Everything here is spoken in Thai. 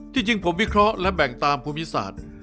จริงผมวิเคราะห์และแบ่งตามภูมิศาสตร์